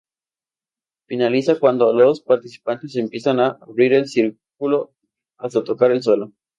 Finaliza cuando los participantes empiezan a abrir el círculo hasta tocar el suelo.